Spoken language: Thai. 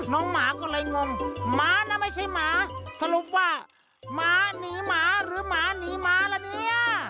หมาก็เลยงงหมานะไม่ใช่หมาสรุปว่าหมาหนีหมาหรือหมาหนีหมาละเนี่ย